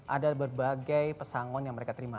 ada berbagai pesangon yang mereka terima